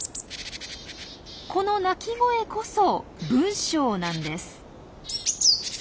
この鳴き声こそ文章なんです。